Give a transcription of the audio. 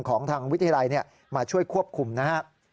ของทางวิทยาลัยมาช่วยควบคุมนะครับ